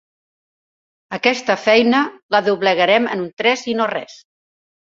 Aquesta feina, la doblegarem en un tres i no res!